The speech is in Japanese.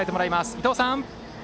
伊藤さん。